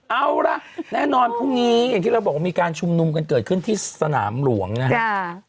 เอาล่ะแน่นอนพรุ่งนี้อย่างที่เราบอกว่ามีการชุมนุมกันเกิดขึ้นที่สนามหลวงนะครับ